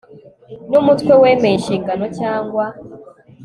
n umuntu wemeye inshingano cyangwa